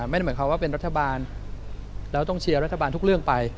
ไม่ได้หมายความว่าเป็นรัฐบาลแล้วต้องเชียร์รัฐบาลทุกเรื่องไป